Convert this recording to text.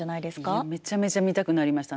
いやめちゃめちゃ見たくなりました。